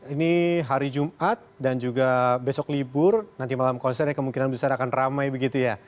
ini hari jumat dan juga besok libur nanti malam konsernya kemungkinan besar akan ramai begitu ya